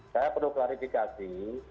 saya perlu klarifikasi